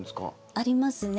ありますね。